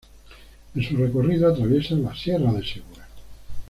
En su recorrido atraviesa la Sierra de Segura.